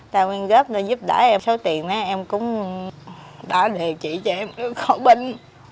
ta quyên góp ra giúp đỡ em số tiền em cũng đã đề trị cho em khổ bình